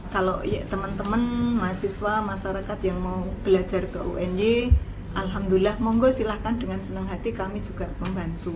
kalau teman teman mahasiswa masyarakat yang mau belajar ke unj alhamdulillah monggo silahkan dengan senang hati kami juga membantu